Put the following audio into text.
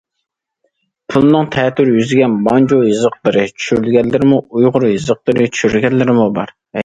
پۇلنىڭ تەتۈر يۈزىگە مانجۇ يېزىقلىرى چۈشۈرۈلگەنلىرىمۇ، ئۇيغۇر يېزىقلىرى چۈشۈرۈلگەنلىرىمۇ بار.